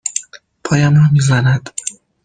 پایم را می زند.